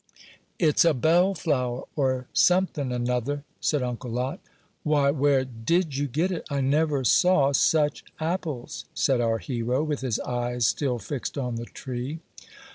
"It's a bellflower, or somethin' another," said Uncle Lot. "Why, where did you get it? I never saw such apples!" said our hero, with his eyes still fixed on the tree.